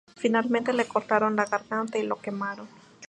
Finalmente le cortaron la garganta y lo quemaron.